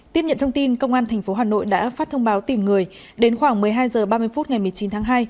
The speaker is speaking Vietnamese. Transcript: tiếp nhận thông tin công an tp hà nội đã phát thông báo tìm người đến khoảng một mươi hai h ba mươi phút ngày một mươi chín tháng hai